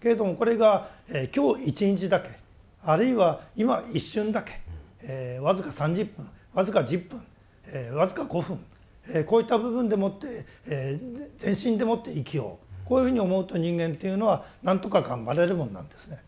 けれどもこれが今日一日だけあるいは今一瞬だけ僅か３０分僅か１０分僅か５分こういった部分でもって全身でもって生きようこういうふうに思うと人間というのは何とか頑張れるものなんですね。